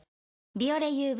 「ビオレＵＶ」